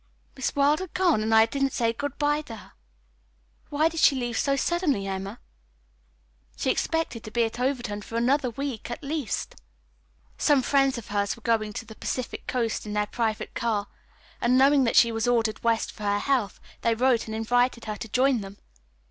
"Miss Wilder gone, and I didn't say good bye to her! Why did she leave so suddenly, Emma? She expected to be at Overton for another week, at least." "Some friends of hers were going to the Pacific Coast in their private car, and knowing that she was ordered west for her health, they wrote and invited her to join them.